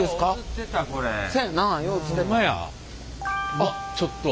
あっちょっと。